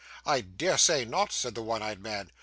'I dare say not,' said the one eyed man.